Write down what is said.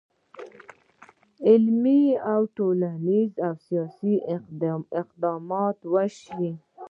علمي، ټولنیز، او سیاسي اقدامات وشي.